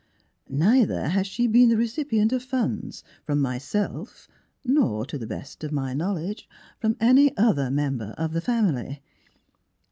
Neither has she been the recipient of funds from myself, nor, to the best of my knowledge, from any other member of the family.